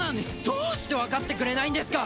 どうしてわかってくれないんですか！